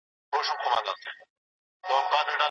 آيا طبيعت په دې مرحله کي مهم دی؟